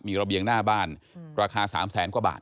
มีระเบียงหน้าบ้านราคา๓แสนกว่าบาท